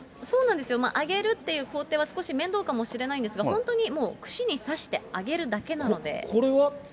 そうなんですよ、揚げるっていう工程は少し面倒かもしれないんですが、本当にもう、串に刺して揚げるだけなので。